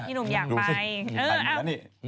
หนุ่มอยากไป